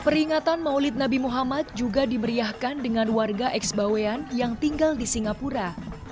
peringatan maulid nabi muhammad juga dimeriahkan dengan warga ex bawean yang tinggal di singapura